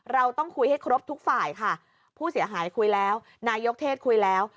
เราต้องคุยให้ครบทุกฝ่ายค่ะผู้เสียหายคุยแล้วนายกเทศคุยแล้ว